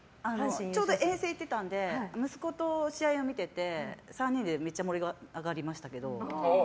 ちょうど遠征に行ってたんで息子と試合を見てて３人でめっちゃ盛り上がりましたけど。